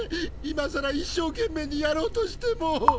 いまさら一生懸命にやろうとしても。